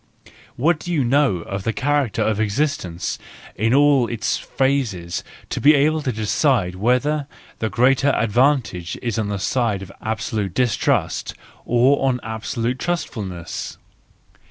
What do you know of the character of existence in all its phases to be able to decide whether the greater advantage is on the side of absolute distrust, or of absolute trustfulness